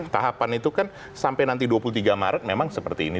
tahapan itu kan sampai nanti dua puluh tiga maret memang seperti ini